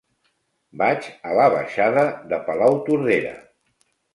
Vaig a la baixada de Palautordera.